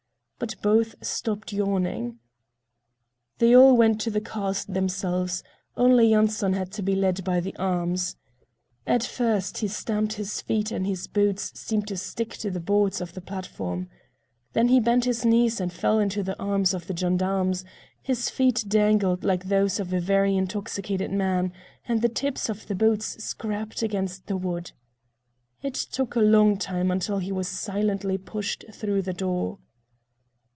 But both stopped yawning. They all went to the cars themselves, only Yanson had to be led by the arms. At first he stamped his feet and his boots seemed to stick to the boards of the platform. Then he bent his knees and fell into the arms of the gendarmes, his feet dangled like those of a very intoxicated man, and the tips of the boots scraped against the wood. It took a long time until he was silently pushed through the door.